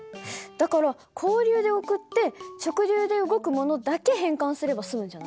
だから交流で送って直流で動くものだけ変換すれば済むんじゃない？